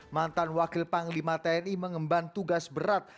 mantan wakil panglima tni mengemban tugas berat